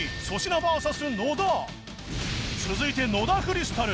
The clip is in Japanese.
続いて野田クリスタル